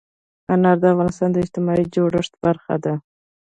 انار د افغانستان د اجتماعي جوړښت برخه ده.